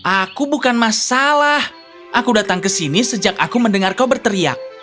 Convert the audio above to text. aku bukan masalah aku datang ke sini sejak aku mendengar kau berteriak